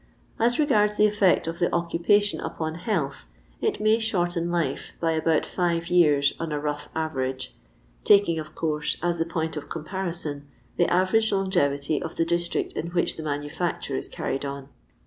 As regards the effect of the occnpation upon health, it may shorten life by about five years on a rough average, taking, of course, as the point of comparison, the average longevity of the district in which the manu&cture is carried on."